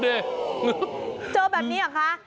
เจอแบบนี้เหรอคะ